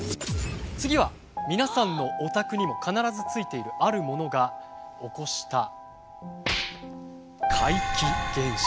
次は皆さんのお宅にも必ずついているあるものが起こした怪奇現象です。